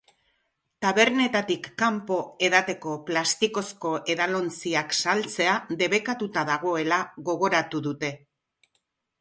Tabernetatik kanpo edateko plastikozko edalontziak saltzea debekatuta dagoela gogoratu dute.